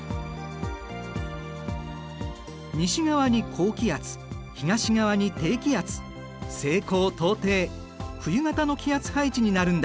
西側に高気圧東側に低気圧西高東低冬型の気圧配置になるんだ。